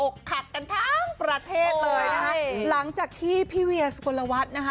อกหักกันทั้งประเทศเลยนะคะหลังจากที่พี่เวียสุกลวัฒน์นะคะ